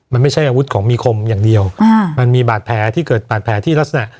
มันไม่ใช่อาวุธของมีคมอย่างเดียวอ่ามันมีบาดแผลที่เกิดบาดแผลที่ลักษณะ